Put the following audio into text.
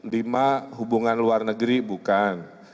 lima hubungan luar negeri bukan